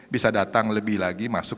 bisa datang lebih lagi masuk